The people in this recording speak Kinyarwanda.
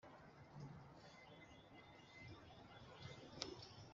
Awugira rwajya, awugira rwaza: